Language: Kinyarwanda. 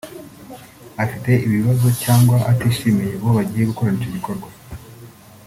afite ibibazo cyangwa atishimiye uwo bagiye gukorana icyo gikorwa